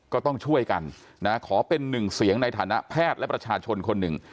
ก็ต้องช่วยกันนะขอเป็นหนึ่งเสียงในฐานะแพทย์และประชาชนคนหนึ่ง